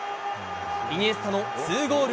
イニエスタの２ゴール